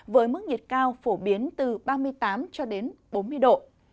với mức nhiệt cao phổ biến từ ba mươi tám cho đến bốn mươi độ